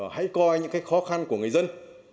hãy coi những cái khó khăn của người dân